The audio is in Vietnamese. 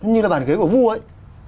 như là bàn ghế của vũ ấy